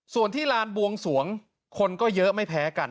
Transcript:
ส่วนที่ลานบวงสวงคนก็เยอะไม่แพ้กัน